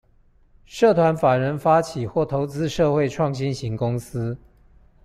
社團法人發起或投資社會創新型公司